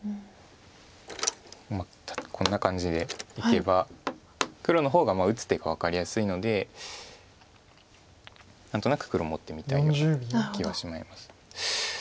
まあこんな感じでいけば黒の方が打つ手が分かりやすいので何となく黒持ってみたいような気がします。